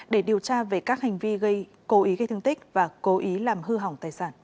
để điều tra về các hành vi gây cố ý gây thương tích và cố ý làm hư hỏng